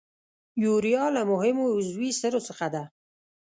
یوریا له مهمو عضوي سرو څخه ده.